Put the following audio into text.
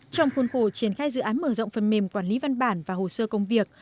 trong khuôn khổ triển khai dự án mở rộng phần mềm quản lý văn bản và hồ sơ công việc